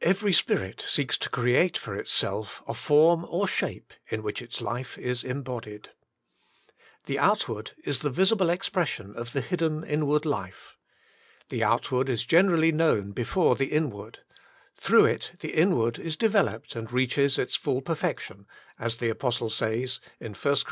Every spirit seeks to create for itself a form or shape in which its life is embodied. The outward is the visible expression of the hidden inward life. The outward is generally known before the inward ; through it the inward is developed and reaches its full perfection, as the apostle says in 1 Cor.